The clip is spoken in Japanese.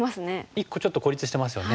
１個ちょっと孤立してますよね。